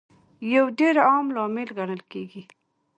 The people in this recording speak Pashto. یو ډېر عام لامل ګڼل کیږي